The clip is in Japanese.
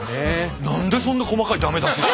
何でそんな細かい駄目出しを。